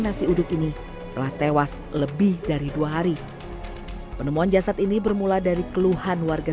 nasi uduk ini telah tewas lebih dari dua hari penemuan jasad ini bermula dari keluhan warga